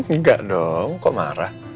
enggak dong kok marah